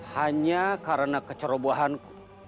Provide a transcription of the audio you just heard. hanya karena kecerobohanku